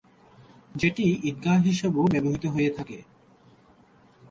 যেটি ঈদগাহ হিসেবেও ব্যবহৃত হয়ে থাকে।